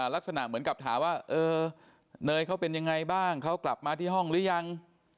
ลักษณะเหมือนกับถามว่าเออเนยเขาเป็นยังไงบ้างเขากลับมาที่ห้องหรือยัง